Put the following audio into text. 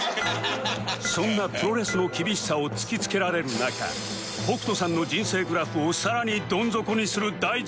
そんなプロレスの厳しさを突きつけられる中北斗さんの人生グラフをさらにどん底にする大事件が